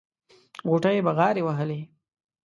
غوټۍ بغاري وهلې.